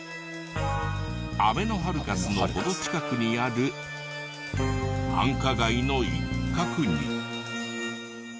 あべのハルカスの程近くにある繁華街の一角に。